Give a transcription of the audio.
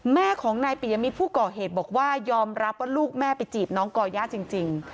แม่ของนายปิยมิตรผู้ก่อเหตุบอกว่ายอมรับว่าลูกแม่ไปจีบน้องก่อย่าจริง